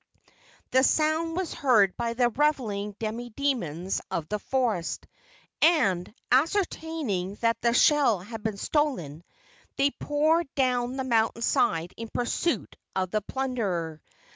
The sound was heard by the reveling demi demons of the forest, and, ascertaining that the shell had been stolen, they poured down the mountain side in pursuit of the plunderer.